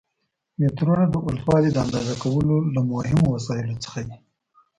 مترونه د اوږدوالي د اندازه کولو له مهمو وسایلو څخه دي.